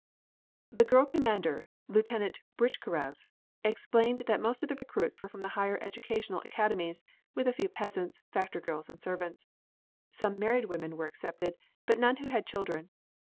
The girl commander, Lieutenant Buitchkarev, explained that most of the recruits were from the higher educational academies, with a few peasants, factory girls and servants. Some married women were accepted, but none who had children.